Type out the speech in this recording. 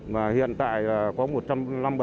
mà hiện tại có một trăm năm mươi bảy khách sạn